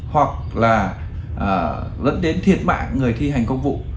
hoặc là dẫn đến thiệt mạng người thi hành công vụ